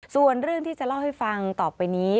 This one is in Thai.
ส่วนเรื่องที่จะเล่าให้ฟังต่อไปนี้